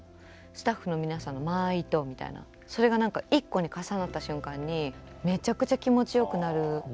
スタッフの皆さんの間合いとみたいなそれが一個に重なった瞬間にめちゃくちゃ気持ちよくなる。